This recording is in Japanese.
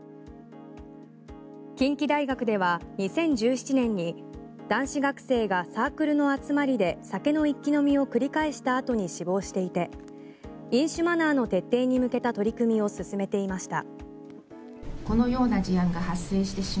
近畿大学では２０１７年に男子学生がサークルの集まりで酒の一気飲みを繰り返した後に死亡していて、飲酒マナーの徹底に向けた取り組みを進めていました。